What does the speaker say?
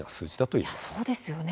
そうですよね。